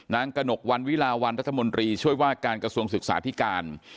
กระหนกวันวิลาวันรัฐมนตรีช่วยว่าการกระทรวงศึกษาธิการ